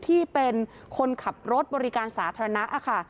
ที่เป็นคนขับรถบริการสาธารณะค่ะ